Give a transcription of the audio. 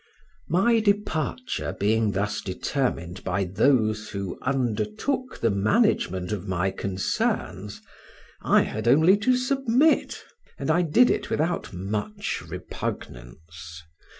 My departure being thus determined by those who undertook the management of my concerns, I had only to submit; and I did it without much repugnance.